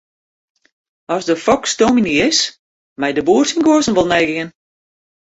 As de foks dominy is, mei de boer syn guozzen wol neigean.